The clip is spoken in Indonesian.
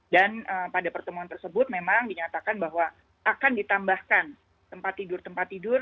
dan pada pertemuan tersebut memang dinyatakan bahwa akan ditambahkan tempat tidur tempat tidur